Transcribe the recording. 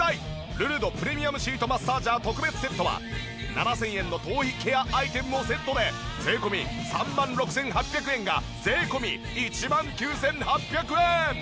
ルルドプレミアムシートマッサージャー特別セットは７０００円の頭皮ケアアイテムもセットで税込３万６８００円が税込１万９８００円。